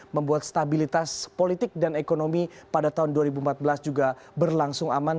membuat stabilitas politik dan ekonomi pada tahun dua ribu empat belas juga berlangsung aman